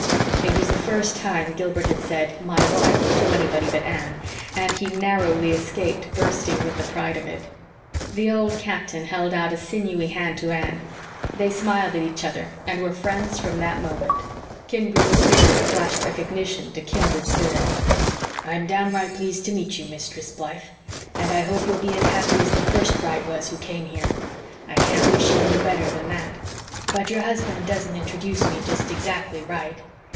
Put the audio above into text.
It was the first time Gilbert had said "my wife" to anybody but Anne, and he narrowly escaped bursting with the pride of it. The old captain held out a sinewy hand to Anne; they smiled at each other and were friends from that moment. Kindred spirit flashed recognition to kindred spirit. "I'm right down pleased to meet you, Mistress Blythe; and I hope you'll be as happy as the first bride was who came here. I can't wish you no better than THAT. But your husband doesn't introduce me jest exactly right.